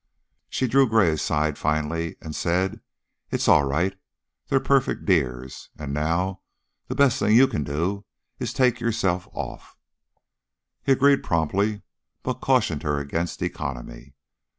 She drew Gray aside finally, and said: "It's all right. They're perfect dears, and, now, the best thing you can do is to take yourself off." He agreed promptly, but cautioned her against economy.